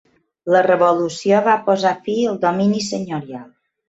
La revolució va posar fi al domini senyorial.